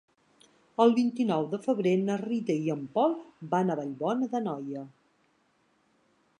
El vint-i-nou de febrer na Rita i en Pol van a Vallbona d'Anoia.